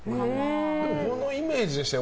このイメージでしたよ。